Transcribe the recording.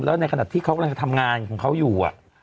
แล้วในขณะที่เขากำลังทำงานของเขาอยู่